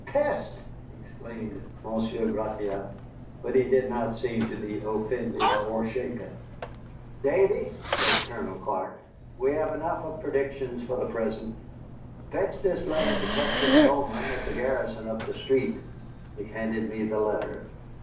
"Peste!" exclaimed Monsieur Gratiot, but he did not seem to be offended or shaken. "Davy," said Colonel Clark, "we have had enough of predictions fo the present. Fetch this letter to Captain Bowman at the garrison up the street." He handed me the letter.